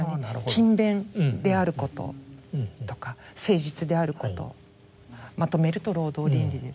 勤勉であることとか誠実であることまとめると労働倫理。